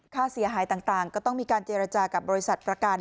ค่าเสียหายต่างก็ต้องมีการเจรจากับบริษัทประกัน